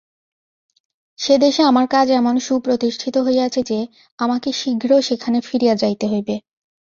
সেদেশে আমার কাজ এমন সুপ্রতিষ্ঠিত হইয়াছে যে, আমাকে শীঘ্র সেখানে ফিরিয়া যাইতে হইবে।